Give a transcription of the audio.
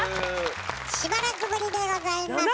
しばらくぶりでございます。